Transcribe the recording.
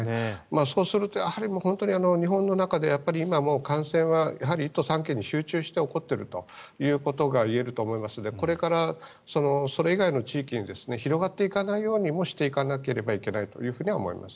そうすると本当に日本の中で今、もう感染はやはり１都３県に集中して起こっているということが言えると思いますのでこれから、それ以外の地域に広がっていかないようにもしていかないといけないと思います。